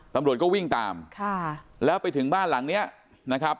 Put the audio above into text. ตำรวจก็วิ่งตามค่ะแล้วไปถึงบ้านหลังเนี้ยนะครับ